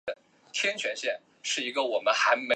它采用了以环形超声波驱动的内对焦系统。